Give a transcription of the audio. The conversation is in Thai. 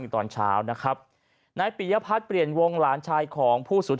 ตอนเช้านะครับนายปิยพัฒน์เปลี่ยนวงหลานชายของผู้สุด